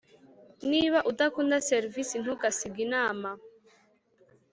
niba udakunda serivisi, ntugasige inama.